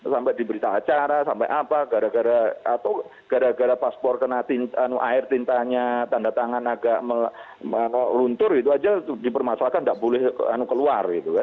sampai diberi acara sampai apa gara gara atau gara gara paspor kena air tintanya tanda tangan agak meluntur itu aja dipermasalahkan tidak boleh keluar